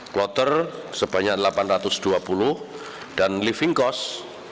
kloter sebanyak delapan ratus dua puluh dan living cost